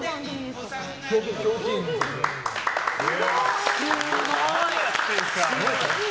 すごい！